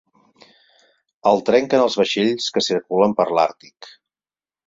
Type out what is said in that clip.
El trenquen els vaixells que circulen per l'àrtic.